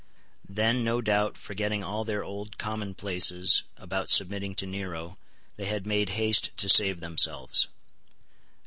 Then, no doubt, forgetting all their old commonplaces about submitting to Nero, they had made haste to save themselves.